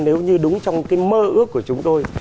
nếu như đúng trong cái mơ ước của chúng tôi